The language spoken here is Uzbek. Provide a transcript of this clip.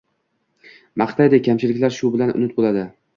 maqtaydi, kamchiliklar shu bilan unut bo‘ladi